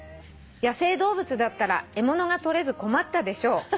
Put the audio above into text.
「野生動物だったら獲物が捕れず困ったでしょう」